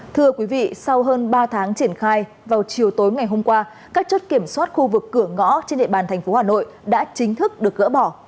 thưa quý vị sau hơn ba tháng triển khai vào chiều tối ngày hôm qua các chốt kiểm soát khu vực cửa ngõ trên địa bàn thành phố hà nội đã chính thức được gỡ bỏ